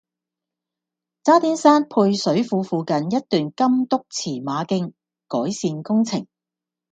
渣甸山配水庫附近一段金督馳馬徑改善工程